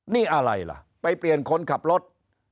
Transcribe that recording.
นี่อะไรล่ะไปเปลี่ยนคนขับรถ